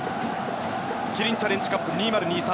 キリンチャレンジカップ２０２３